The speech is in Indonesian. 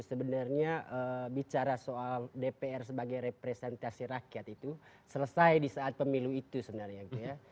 sebenarnya bicara soal dpr sebagai representasi rakyat itu selesai di saat pemilu itu sebenarnya gitu ya